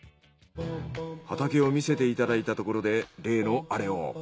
畑を見せていただいたところで例のアレを。